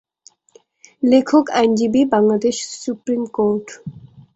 লেখক আইনজীবী, Bangladesh supreme court.